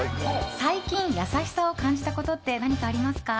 最近、優しさを感じたことって何かありますか？